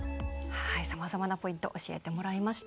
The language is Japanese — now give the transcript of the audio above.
さまざまなポイント教えてもらいました。